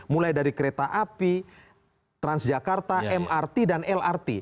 mulai dari kereta api transjakarta mrt dan lrt